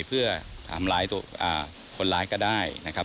เพื่อทำร้ายตัวคนร้ายก็ได้นะครับ